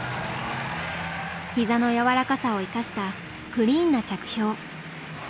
膝の柔らかさを生かしたクリーンな着氷。